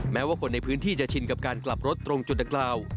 แม้ว่าคนในพื้นที่จะชินกับการกลับรถตรงจุดดังกล่าว